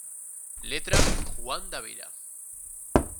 Letra: Juan Dávila.